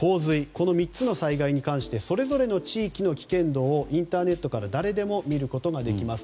この３つの災害に関してそれぞれの地域の危険度をインターネットから誰でも見ることができます。